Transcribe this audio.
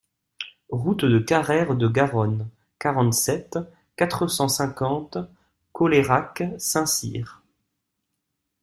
Route de Carrère de Garonne, quarante-sept, quatre cent cinquante Colayrac-Saint-Cirq